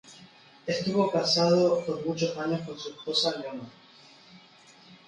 Estuvo casado por muchos años con su esposa Leonor.